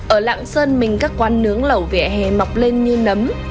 ở lạng sơn mình các quán nướng lẩu vỉa hè mọc lên như nấm